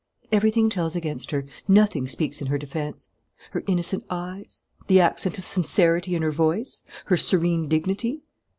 "Everything tells against her; nothing speaks in her defence. Her innocent eyes? The accent of sincerity in her voice? Her serene dignity?